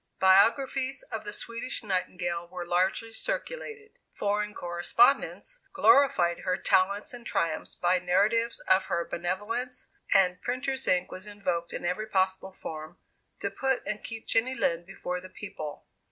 Biographies of the Swedish Nightingale were largely circulated; "Foreign Correspondence" glorified her talents and triumphs by narratives of her benevolence; and "printer's ink" was invoked in every possible form, to put and keep Jenny Lind before the people.